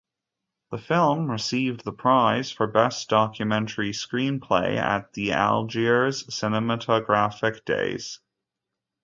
The film received the prize for best documentary screenplay at the Algiers Cinematographic Days.